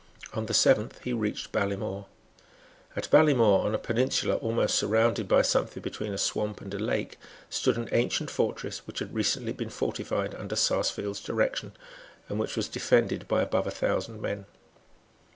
On the seventh he reached Ballymore. At Ballymore, on a peninsula almost surrounded by something between a swamp and a lake, stood an ancient fortress, which had recently been fortified under Sarsfield's direction, and which was defended by above a thousand men.